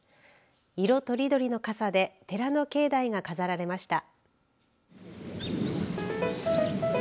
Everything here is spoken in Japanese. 色とりどりの傘で寺の境内が飾られました。